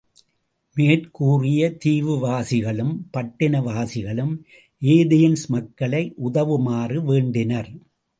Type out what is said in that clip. மேற்கூறிய தீவுவாசிகளும், பட்டினவாசிகளும் ஏதேன்ஸ் மக்களை உதவுமாறு வேண்டினர்.